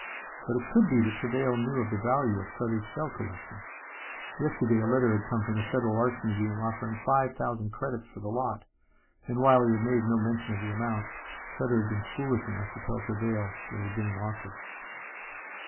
But it could be that Travail knew of the value of Sutter's shell collection. Yesterday a letter had come from the Federal Arts Museum offering five thousand credits for the lot, and while he had made no mention of the amount, Sutter had been foolish enough to tell Travail there had been an offer.